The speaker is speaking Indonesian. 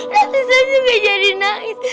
rasa saya juga jadi nangis